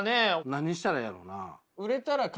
何したらええんやろな？